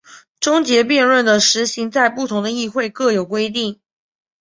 终结辩论的施行在不同的议会各有规定。